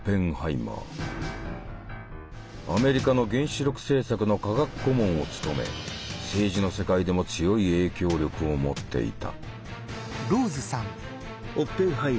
アメリカの原子力政策の科学顧問を務め政治の世界でも強い影響力を持っていた。